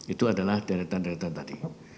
itu adalah deretan deretan tadi